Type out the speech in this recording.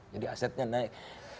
jadi asetnya naik